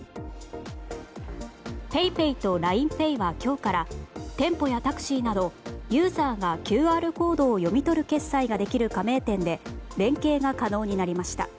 ＰａｙＰａｙとＬＩＮＥＰａｙは今日から店舗やタクシーなどユーザーがＱＲコードを読み取る決済ができる加盟店で連携が可能になります。